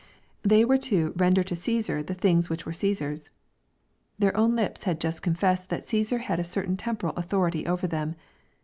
They were to " render to Caesar the things which were Caesar's/' Their own lips had just confessed that Caesar had a certain temporal authority over them.